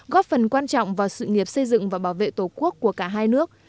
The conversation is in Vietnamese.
góp phần quan trọng vào sự nghiệp xây dựng và bảo vệ tổ quốc của cả hai nước